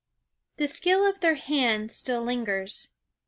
"The skill of their hands still lingers."